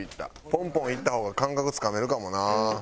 ポンポンいった方が感覚つかめるかもな。